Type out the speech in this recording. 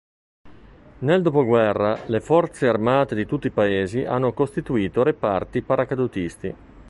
Nel dopoguerra le forze armate di tutti i paesi hanno costituito reparti paracadutisti.